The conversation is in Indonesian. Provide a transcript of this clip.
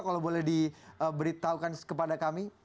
kalau boleh diberitahukan kepada kami